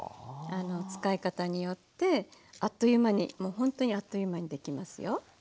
使い方によってあっという間にほんとにあっという間にできますよ。